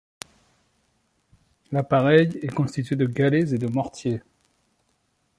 L'appareil est constitué de galets et de mortier.